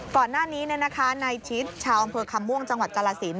ก่อนหน้านี้เนี่ยนะคะนายชี้จุดชาวอำเภอคำม่วงจังหวัดกาลสิน